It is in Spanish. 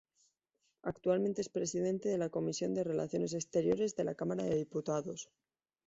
Actualmente es presidente de la Comisión de Relaciones Exteriores de la Cámara de Diputados.